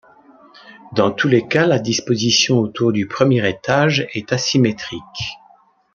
Dans tous les cas, la disposition autour du premier étage est asymétrique.